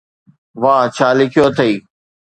واهه، ڇا لکيو اٿئي؟